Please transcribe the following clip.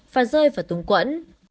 và rơi vào túng quẫn